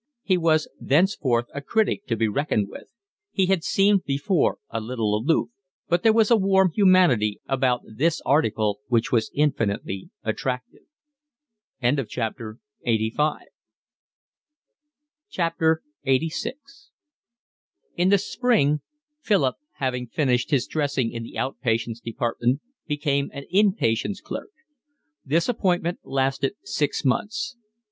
He was thenceforth a critic to be reckoned with. He had seemed before a little aloof; but there was a warm humanity about this article which was infinitely attractive. LXXXVI In the spring Philip, having finished his dressing in the out patients' department, became an in patients' clerk. This appointment lasted six months.